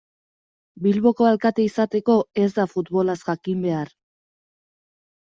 Bilboko alkate izateko ez da futbolaz jakin behar.